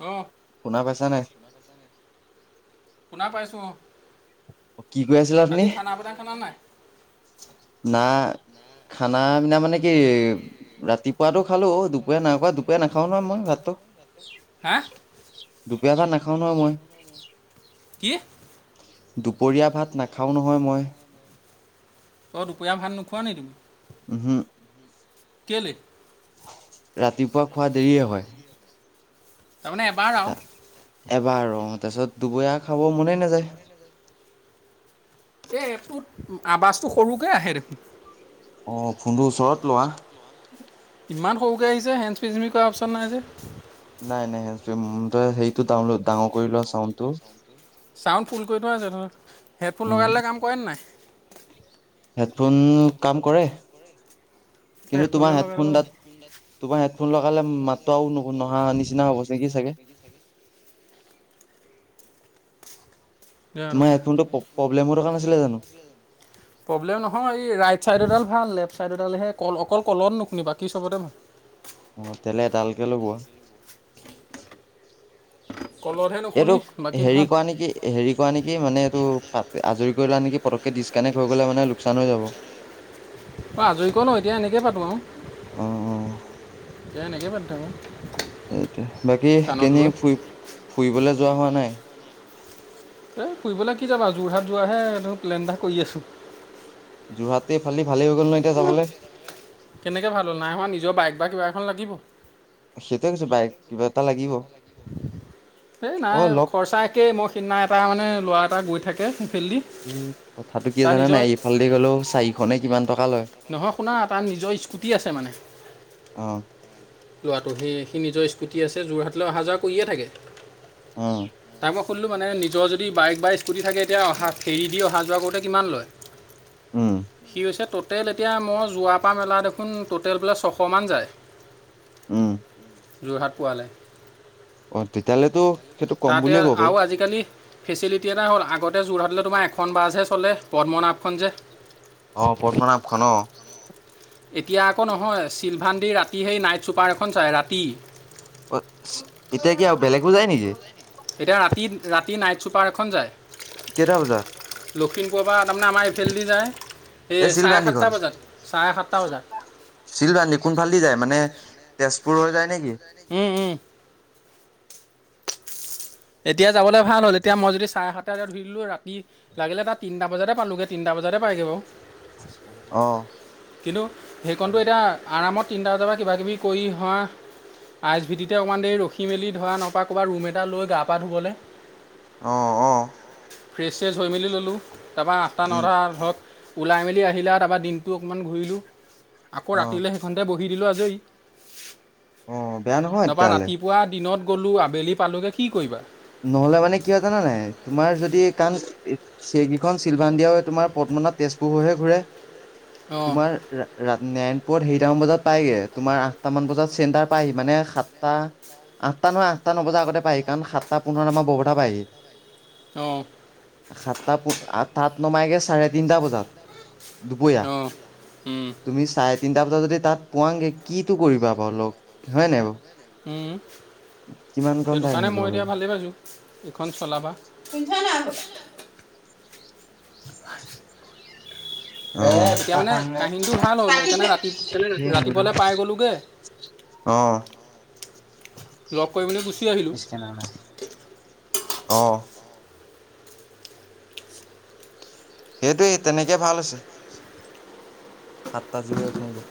অ। শুনা পাইছা নাই? শুনা পাইছোঁ অ। কি কৈ আছিলে আপুনি বাকী খানা-পিনা খালা নাই? না খানা-পিনা মানে কি ৰাতিপুৱাটো খালো। দুপৰীয়া নাই খোৱা। দুপৰীয়া নাখাও নহয় মই ভাতটো। হা? দুপৰীয়া ভাত নাখাওঁ ন মই। কি? দুপৰীয়া ভাত নাখাওঁ নহয় মই। দুপইয়া ভাত নোখোৱা নি তুমি? উহু। কেলে? ৰাতিপুৱা খোৱা দেৰিয়ে হয়। তাৰমানে এবাৰ আও। এবাৰ অ তাৰ পিছত দুপইয়া খাব মনেই নাযায়। এই এপটোত আৱাজটো সৰুকে আহে দেখোন। অ ফোনটো ওচৰত লোৱা। ইমান সৰুকৈ আহিছে। হেণ্ডছ্পিচপি কৰা অপচন নাই যে। নাই, নাই। হেণ্ডচপি তই সেইটো ডাউন ডাঙৰ কৰি লোৱা চাউণ্ডটো। চাউণ্ড ফুল কৰি থোৱা আছে ধৰ। হেডফোন উম লগাই ললে কাম কৰেনে নাই? হেডফোন, কাম কৰে। কিন্তু তোমাৰ হেডফোনে লগাই লব হেডফোনডাত লাগিব। তোমাৰ হেডফোন লগালে মাততো আও নহা নিচিনা হব নে কি চাগে। [inaudible] জানো তোমাৰ পাই। হেডফোনটো প্ৰব্লেমৰ থকা নাছিলে জানো প্ৰব্লেম নহয় এই ৰাইড চাইডডাল ভাল, লেফ্ট চাইড ডালহে কল অকল কলত নুশুনিবা বাকী চবতে ভাল। অ তেলে এডালকে লগোৱা কলতহে এইটো নুশুনি বাকী হেৰি ভাল কৰা নেকি হেৰি কৰা নেকি মানে এইটো পা আজৰি কৰিলা নেকি পটককে। ডিছকানেক্ট হৈ গলে' মানে লোকচান হৈ যাব। অ আজৰি কৰি ল‌ও। এতিয়া এনেকে পাতো আও। অ এতিয়া এনেকে পাতি থাকো। এইটোৱে। বাকী কেনিও ফুৰি ফুৰিবলৈ যোৱা হোৱা নাই? এই ফুৰিবলৈ কি যাবা? যোৰহাট যোৱাহে এটো প্লেন এটা কৰি আছোঁ। যোৰহাটতে এইফালদি ভালেই হৈ গ'ল ন এতিয়া যাবলে। কেনেকে ভাল হ'ল? নাই হোৱা নিজৰ বাইক বা কিবা এখন লাগিব। সেইটোয়ে কৈছো। বাইক, কিবা এটা লাগিব। এই অ নাই লগ খৰচা একেই। মই সিদিনা এটা মানে ল'ৰা এটা গৈ থাকে সেইফালেদি এ কথাটো কি তাৰ জানা নিজৰ নাই? এইফালেদি গলেও চাৰিশ নে কিমান টকা লয় নহয়, শুনা তাৰ নিজৰ স্কুটি আছে মানে। অ ল'ৰাটোৰ সি সি নিজৰ স্কুটি আছে। যোৰহাটলৈ অহা যোৱা কৰিয়ে থাকে। অ। তাক মই সুধিলোঁ মানে নিজৰ যদি বাইক বা স্কুটি থাকে এতিয়া অহা ফেৰী দি অহা যোৱা কৰোঁতে কিমান লয়। উম সি কৈছে ত টটেল এতিয়া মই যোৱা পৰা মেলা দেখোন টটেল বোলে ছশমান যায়। উম যোৰহাট পোৱালে। অ তেতিয়াহ'লেতো সেইটো কম তাতে বুলিয়ে ক'ব পাৰি আৰু আজিকালি ফেচিলিটি এটা হ'ল আগত তে যোৰহাটলৈ তোমাৰ এখন বাছহে চলে পদ্মনাভখন যে। অ পদ্মনাথ অ। এতিয়া আকৌ নহয় চিলভাণ্ডি ৰাতি সেই নাইট ছুপাৰ এখন চায় ৰাতি। অ এতিয়া কি আৰু বেলেগো যায় নেকি! এতিয়া ৰাতি ৰাতি নাইট ছুপাৰ এখন যায়। কেটা বজাত। লখিমপূৱৰ পৰা তাৰমানে আমাৰ এইফাল দি যায়। এই চাৰে সাতটা বজাত চাৰে সাতটা বজাত। চিলৱানী কোনফালেদি যায় মানে তেজপুৰৰ যায় নেকি। উম উম। এতিয়া যাবলৈ ভাল হ'ল এতিয়া মই যদি চাৰে সাতটা বজাত ধৰিলো ৰাতি লাগিলে তাত তিনটা বজাতে পালোগে তিনটা বজাত। বজাৰ তে পায় গৈ বাও অ কিন্তু সেইকনটো আৰমত। তিনিটা বজাৰ পৰা কিব কিবি কৰি অহোৱা। আই এচ ভিটিতে অকণমান দেৰি ৰখি মেলি ধৰা নপৰা ক'ৰবাত ৰুম এটা লৈ গা পা ধুবলে। অহ অহ। চেজ হৈ মেলি ল'লোঁ তাৰপৰা আঠা নটা ধৰক। ওলাই মেলি আহিলে তাৰপা দিনটো অকণমান ঘূৰিলোঁ আকৌ অ ৰাতিলৈ সেইখনতে বহিলো। দিলো আজই অ বেয়া নহয় তাৰ পৰা তেতিয়াহ'লে ৰতি পুৱা দিনত। ক'লো আবেলি পালোগে কি কৰিবা। নহলে মানে কিয় জানা নাই তোমাৰ যদি কাণ। সেইকেইখন চিলভা্ডিয়ও তোমাৰ পদ্মনাথ তেজপুৰ হৈহে ঘূৰে। অঁ তোমাৰ নে। ওপৰত হেৰিটামান বজাত পায়গে তোমাৰ আঠটাামান বজাত চেণ্টাৰ পায়ি মানে সাতটা। আঠটা নহয় আঠটা নবজা আগতে পায়ি কাৰণ সাত। সাতটা পোন্ আমাৰ বৰপতা পায়হি অঁ সাতটা আঠ তাত নমাইগে। ছাৰে তিনিটা বজাত দুপৰীয়া অঁ উম, তুমি চাৰে। তিনিটা বজাত যদি তাত পোৱগে কিটো কৰিবা বাৰু লগ হয়ে নাই উম। বাৰু। কিমান ক সেইটো টাইম কাৰণে মই এতিয়া স। ভালেই এইখন চলাবা। হয়। এতিয়া মানে কাহিনীটো ভাল হ'ল সেইকাৰণে ৰাতি ৰাতিপুৱালৈ পাই গ'লোগৈ [unintelligible] অহ। লগ কৰিব। ইচকেনা নাই অ। সেইটোৱেই তেনেকে ভাল আছে। সাতটা জীৱে এক মাইনে।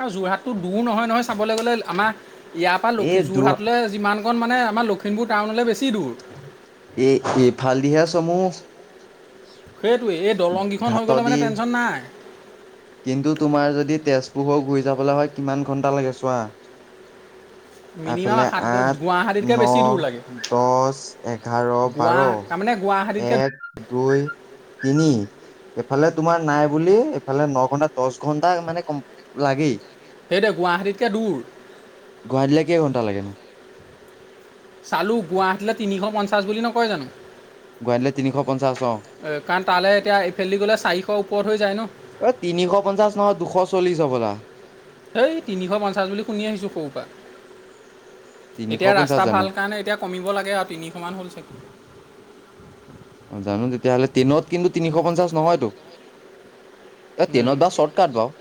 আৰু যোৰহাটতটো দূৰ নহয় নহয় চাবলৈ গ'লে আমাৰ ইয়াৰ এই পৰা দু যোৰহাটলৈ যিমান কণ মানে। মে আমাৰ লখিমুৰ টাউনলৈ বেছি। দূৰ এ এই ফালদিহা চসমূহ। সেইটোৱে এই দলং কেইখন হৈ ঘাট গ'লে মানে দি টেনশচন নাই। কিন্তু তোমাৰ যদি তেজপুৰো ঘূৰি যাবলৈ হয় কিমান ঘণ্টা লাগে চোৱা। অ [unintelligible] মিনিমাম আফালে সাত আঠ গুৱাহাটীতকৈ ন বেছি দূৰ লাগে দহ এঘাৰ বাৰ। গুৱা তাৰমানে গুৱাহাটীতকৈ এক দুই তিনি এইফালে তোমাৰ নাই বুলি এইফালে ন। ঘন্টা দহ ঘণ্টা মানে কম লাগেই। সেইটোৱে গুৱাহাটীতকৈ দূৰ গুৱাহাট দিলে কেইঘন্টা লাগে নু। চালোঁ গুৱাহাটীলৈ তিনিশ পঞ্চাছ বুলি নকয় জানো। অ গুৱাহাটীলৈ তিনিশ পঞ্চাশ অ কাৰণ তালৈ এতিয়া ইফেলদি গ'লে চাৰিশ ওপৰত হৈ যায় ন। অ তিনিশ পঞ্চাশ নহয় দুশ চল্লিশ হবলা এইেই তিনিশ পঞ্চাশ বুলি শুনি আহিছোঁ সৰু পৰা তিনিশ এতিয়া পঞ্চাশ ৰাস্তা জানো ভাল কাৰণে এতিয়া কমিব লাগে আৰু তিনিশমান হ'ল চাগে। [inaudible] অ জানো তেতিয়াহ'লে ট্ৰিনত কিন্তু তিনিশ পঞ্চাশ নহয়তো [unintelligible] চাগে ট্ৰেনত বাও চৰ্ত কাট বাও।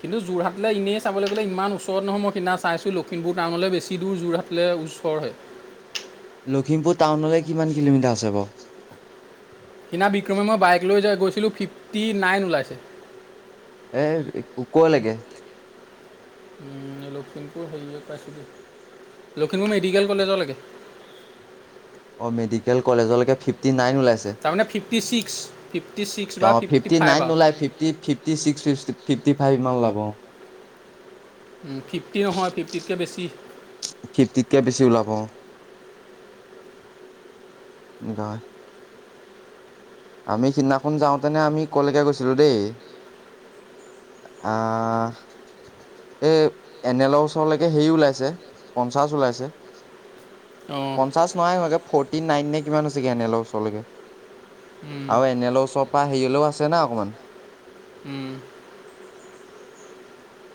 কিন্তু যোৰহাটলৈ এনেই চাবলৈ গ'লে ইমান ওচৰত নহয় ।মই সিদিনা চাইছো লখিমপুৰ টাউনলৈ বেছি দূৰ যোৰহাটলৈ [unintelligible] ওচৰ হয়। লখিমপুৰ টাউনলৈ কিমান কিলোমিটাৰ আছে বাৰ? সিদিনা বিক্ৰমে মই বাইক লৈ যাই গৈছিলোঁ ফিফটি নাইন ওলাইছে। এ ক লেগে? লখিমপুৰ হেৰিয়ে পাইছোঁ । লখিমপুৰ মেডিকেল কলেজ লকে অ মেডিকেল কলেজলৈকে ফিফটিন নাইন ওলাইছে। তাৰমানে ফিফটি ছিক্স ফিফটি ছিক্স বা অ ফিফটি ফাইভ নাইন আৰু নোলাই, ফিফটি চিক্স ফিফটি ফাইভ মান ওলাব ।অ ফিফটি নহয় ফিফটিতকৈ বেছি ফিফ্তিতকে বেছি ওলাব। অ এনেকা আমি সিদিনাখন যাওঁতেনে আমি কলৈকে গৈছিলোঁ দেই আহ এই এনেলৰ ওচৰলৈকে হেৰি ওলাইছে পঞ্চাছ ওলাইছে। অঁ পঞ্চাশ নাইহোৱাগে ফৰ্টি নাইন নে কিমান হৈছেগে এনে লৰ ওচৰলৈকে। উম, আৰু এনেলৰ ওচৰৰ পৰা হেৰিয়লেও আছে না অকণমান উম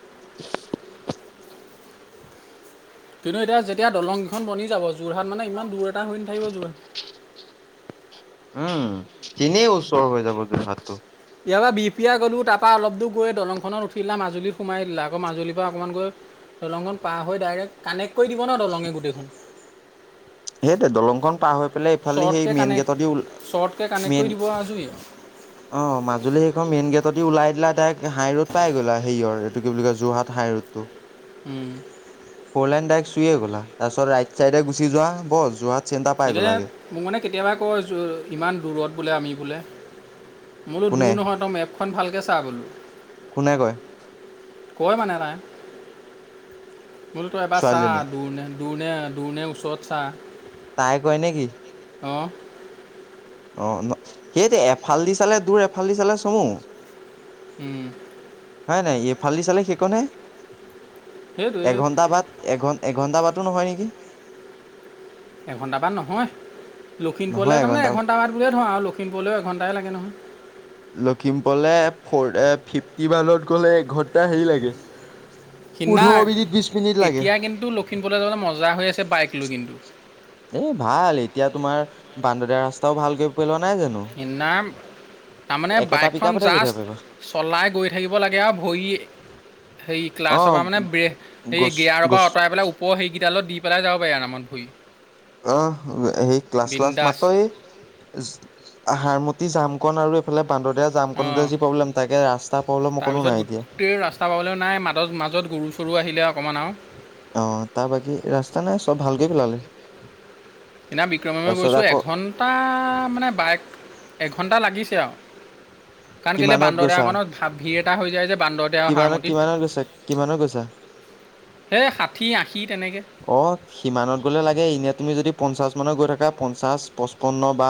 [inaudible] কিন্তু এতিয়া যেতিয়া দলংকেইখন বনি যাব। যোৰহাট মানে ইমান দূৰ এটা হৈ নাথাকিব যোৰহাট [inaudible] উম তেনেই ওচৰ হৈ যাব যোৰহাটটো। ইয়াৰ পৰা বিপিয়া গ'লো তাৰপৰা অলপ দূৰ গৈ দলংখনত উঠিলা মাজুলী সোমাই দিলা আকৌ মাজুলীৰ পৰা অকণমান গৈ দলংখন পাৰ হৈ ডাইৰেক্ট কানেক্ট কৰি দিব ন দলঙে গোটেইখন। সেইটো দলংখন পাৰ হৈ পাই ইফালে সেই শ্বৰ্টকৈ মেইন কানেক্ট গেট দ শ্বৰ্টকৈ কানেক্ট কৰি মেইন দিব আৰু আজৰি অ মাজুলী সেইখন মেইন গেট দি ওলাই দিলা দাৰেক হাই ৰোড পাই গ'লা হেৰিয়ৰ এইটো কি বুলি কয় যোৰহাট হাই ৰোড টো। উম। ফ'লাইন ডাইক চুইয় গলা তাৰপিছত ৰাইট চাইডে গুচি যোৱা বছ যোৱাত সেইটোয়ে মোক মানে কেতিয়াবা কয় ইমান দূৰত বোলে আমি বোলে বোলো কোনে দূৰ নহয় তই এপখন ভালকৈ চা বোলো। কোনে কয়? কয় মানে এটাই বোলো তো এবাৰ চা ছোৱালীজনীয়ে দূৰণে, দূৰণে দূৰ নে ওচৰ চা তাই কয় নেকি? অঁ অ সেইটোয়ে এফাল দি চালে দূৰ এফাল দি চালে চমু উম হয় নাই এইফালদি চালে সেইকনে সেইটোৱে এঘন্টা বাদ এঘ এঘন্টা বাদ ন হয় নেকি। এঘন্টা বাট নহয় ।লখিমপুৰলৈ তাৰমানে এঘন্টা মান বুলিয়ে ধৰ আৰু লক্ষিমপুৰও এঘণ্টাই লাগে নহয়। লখিমপুৰলে ফ এ ফিফটি ওৱানত গ'লে এঘণ্টা হেৰি লাগে সিনা পোন্ধৰ মিনিট বিশ মিনিট লাগে এতিয়া কিন্তু লখিমপুৰলৈ যাবলৈ মজা হৈ আছে বাইক লৈ কিন্তু [unintelligible] এ ভাল এতিয়া তোমাৰ বান্দদিয়াৰ ৰাস্তাও ভালকৈ পেলোৱা ন [unintelligible] ইনাম তাৰমানে একেটা পিক বাইকখন আপতে গৈ জাষ্ট থাকিব পাৰিবা চলাই গৈ থাকিব লাগে আৰু ভৰি সেই অ ক্লাছৰ পৰা মানে ব্ৰে হে গছ গেয়াৰৰ পৰা গছ আঁৰাই পেলাই ওপৰ সেইকেইটালত দি পেলাই যাব পাৰি আ নমত ভূৰি আহ সেই ক্লাছ্লাছ বিন্দাছ মাত্ৰ [unintelligible] আহাৰ মতি জামকন আৰু এইফালে পানদ দিয়া জাম অঁ কতে যি প্ৰব্লেম তাকে ৰাস্তা পলম অকো তাৰপিছত নাই এতিয়া গোটেই ৰাস্তা পাবলৈ নাই মাজত মাজত গৰু চৰু আহিলে অকণমান আৰু অ তাৰ বাকী ৰাস্তা নাই চব ভালকৈ পেলালে পিনা বিক্ৰমমে তাৰপিছত গৈছো আকৌ এঘণ্টা মানে বাইক ঘণ্টা লাগিছে আও কিমানত গছা এটা হৈ যায় যে বান্দৰদেৱা কিমানত, হাৰমতিত কিমানত গৈছা কিমানত গৈছা সেই ষাঠি আশী তেনেকৈ অ সিমানত গলে লাগে এনে তুমি যদি পঞ্চাশ মানত গৈ থাক পা পচপন্ন বা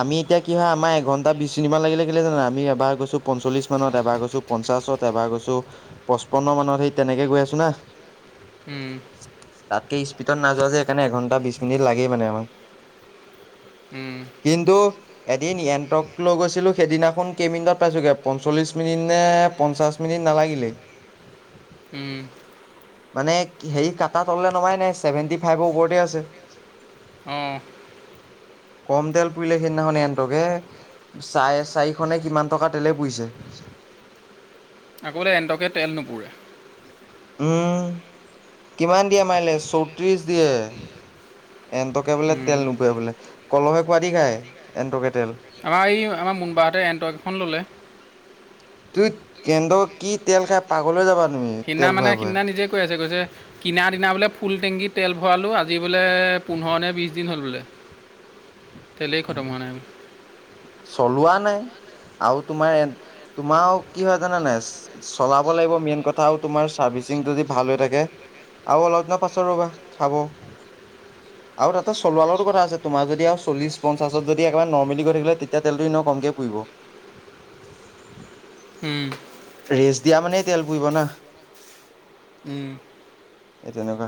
আমি এতিয়া কি হয় আমাৰ এঘন্টা বিছ মিনিট মান লাগে [unintelligible] আমি এবাৰ গছ পঞ্চলিশ মানত এবাৰ গৈছো পঞ্চাছত এবাৰ গৈছো পঁচপন্ন মানত সেই তেনেকে গৈ আছো। [unintelligible] উম, তাতকে স্পীডত নাযোৱা যে সেইকাৰণে এঘণ্টা বিশ মিনিট লাগেই মানে আমাক উম, কিন্তু এদিন এনণ্টক লৈ গৈছিলো সেইদিনাখন কেইমিনিটত পাইছোগে পঞ্চল্লিশ মিনিট নে পঞ্চাশ মিনিট নালাগিলে উম মানে হেৰি কাটা তললে নমাই নাই চছেভেনটি ফাইভৰ ওপৰতে আছে। অৱ কম তেল পুৰিলে সেইদিনাখন এনন্টাৰ্কে চাই চাৰি খনে কিমান টকা তেলে পুইছে আকৌ বোলে এণ্টকে তেল নুপুৰে উম কিমান দিয়ে মাৰিলে চৌত্ৰিশ দিয়ে এনটকে বোলে উম। তেল নুপুৰে বোলে। কলহে খোৱদি খায় এনন্টাৰ্কে আমাৰ এই আমাৰ মুনবাৰাহঁতে এনটৰ্ক এখন ললে ত কেন্দ্ৰ কি তেল খাই পাগলৈ যাবা তুমি সিনা তেল মানে ভৰাই ভৰাই সিদিনা নিজে কৈ আছে কৈছে কিনা দিনা বোলে ফুল টেংকিত তেল ভৰালোঁ আজি বোলে পোন্ধৰ নে বিছ দিন হ'ল বোলে [inaudible] তেলে খট হোৱা নাই চলোৱা নাই। আৰু তোমাৰ তোমাৰ কি হয় জানানে চলাব লাগিব মেইন কথা তোমাৰ চাৰ্ভিচিং যদি ভাল হৈ থাকে আৰু অলপ দিনৰ পাছত ৰবা খাব আৰু তাতে চলোৱালৰো কথা আছে তোমাৰ যদি আৰু চল্লিশ পঞ্চাশত যদি একেবাৰে নৰ্মেলি গৈ থাকিলে তে এতিয়া তেলটো এনেইও কমকে পুৰিব উম ৰেচ দিয়া মানে তেল পুৰিব না উম এই তেনেকুৱা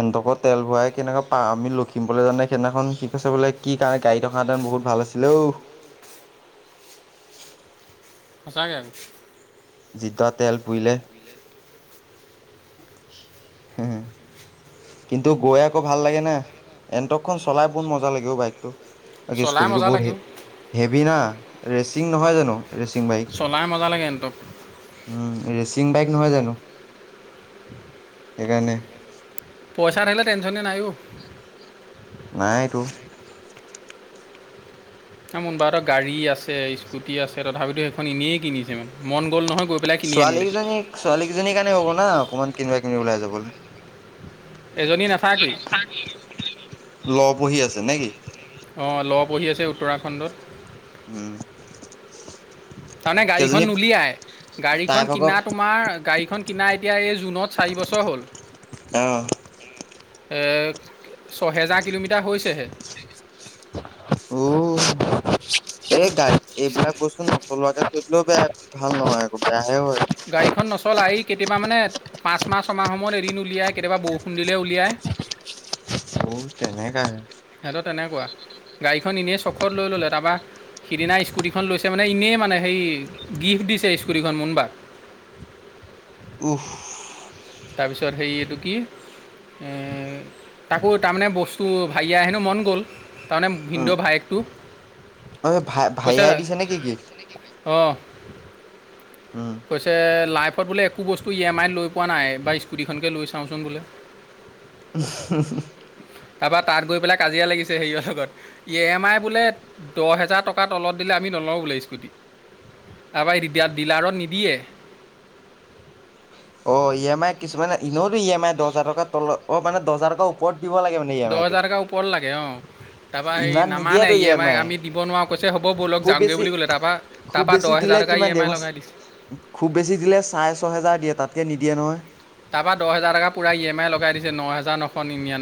এনটকো তেল ভৰাই কেনেকে পা আমি লখিমপুৰ যাওতে সেইনাখন সি কৈছে বোলে, কি কাৰণে গাড়ীত অহা হেতেন বহুত ভাল আছিলেঔ সঁচাকে যি তৰ তেল পুইলে [unintelligible] কিন্তু গৈ আকৌ ভাল লাগে না এনটকখন চলাই পোন মজা লাগে বাইকটো চলাই স্কুটটো মজা বহুত লাগে অ'। হেভি না ৰেচিং নহয় জানো। ৰেচিং বাইক, চলাই মজা লাগে এণ্টক উম ৰেচিং বাইক নহয় জানো! [unintelligible] সেইকাৰণে পইচা থাকিলে টেনশনে নাই অ নাইটো মোনবা ত গাড়ী আছে স্কুটি আছে তথাপিতো সেইখন এনেই কিনিছে মানে মন গ'ল নহয় গৈ পেলাই কিনি আনিলে ছোৱালীকজনী ছোৱালীকেইজনীৰ কাৰণে হ'ব না অকমান কিনিবা কিনিবি ওলাই যাবলে এজনী নাথাকেই ল পঢ়ি আছে নে কি অঁ ল পহি আছে উত্তৰাখণ্ডত উম তাৰমানে গাড়ীখন সেইজনী নুলিয়াই তাই গাড়ীখন ভাগৰ কিনা তোমাৰ গাড়ীখন কিনা এতিয়া এই জুনত চাৰি বছৰ হ'ল অহ এ ছহেজাৰ কিলোমিটাৰ হৈছেহে উ এই গাড়ীখন চা- এইবিলাক কচোন চলুৱাকে থলেও বেয়া ভাল নহয় আকৌ বেয়া গাড়ীখন নচলাই এ কেতিয়াবা মানে পাঁচ মাহ ছমাহ মুলত এদিন উলিয়াই কেতিয়াবা বৰষুণ দিলে উলিয়ায়। উ তেনেকাহে সিহঁত তেনেকুৱা গাড়ীখন এনেই চখত লৈ ল'লে তাৰপৰা সিদিনা স্কুটিখন লৈছে মানে এনেই মানে সেই গিফ্ট দিছে স্কুৰিখন মুবাক উহ তাৰপিছত হেৰি এইটো কি এ তাকো তাৰমানে বস্তু ভাগি হেনো মন গ'ল তাৰমানে ভিন্দ' উম ভাইেকটো অ ভাই কৈছে ভাইয়াই দিছে নে কি গিফ্ট অঁ উম কৈছে লাইফ লাইফত বোলে একো বস্তু ই এম আইত লই পোৱা নাই এবা স্কুটিখনকে লৈ চাওঁচোন বোলে তাৰপৰা তাত গৈ [unintelligible] পেলাই কাজিয়া লাগিছে হেৰিয়ৰ লগত ই এম আই বোলে দহ হেজাৰ টকাৰ তলত দিলে আমি নলোঁ বোলে স্কুটি তাবাই ডিলাৰত নিদিয়ে অ ই এম আই কিছুমানে ইনেতো ই এম আই দহ হাজাৰ টকা তল অ মানে দহ হাজাৰ টকাৰ ওপৰত দিব লাগে মানে ই এম দহ আইটো। হোজাৰ টকা ওপৰত লাগে অঁ তাৰপা হেই নামান নে ই এম আই আমি দিব নোৱাৰো কৈছে হ'ব বৌল লগ খুব যামগে বেছি বুলি ক'লে তাৰাপা খুব তাৰপা বেছি দহ দিলে হেজাৰ তাৰকা কিমান ই এম দিয়ে আই লগাই দিছে খুব বেছি দিলে চাৰে ছহেজাৰ দিয়ে তাতকে নিদিয়ে নহয় তাৰপৰা দহ হাজৰ টকা পৰা এম আই লগাই দিছে ন হেজাৰ নশ নিয়া